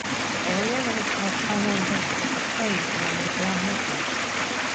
The area that is now Poyang Lake was a plain along the Gan River.